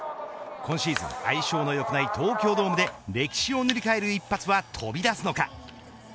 今シーズン相性の良くない東京ドームで歴史を塗り替える一発は飛び出すのか。